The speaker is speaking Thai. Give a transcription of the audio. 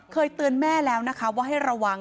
เคยเตือนแม่แล้วนะคะว่าให้ระวัง